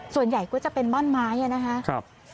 ส่วนใหญ่ก็จะเป็นม่อนไม้นะครับ